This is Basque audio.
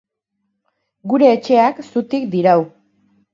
Gure etxeak zutik dirau.